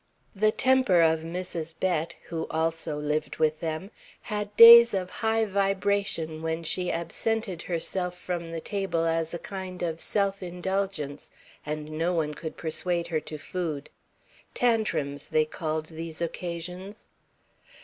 The temper of Mrs. Bett, who also lived with them, had days of high vibration when she absented herself from the table as a kind of self indulgence, and no one could persuade her to food. "Tantrims," they called these occasions.